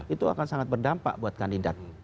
itu akan sangat berdampak buat kandidat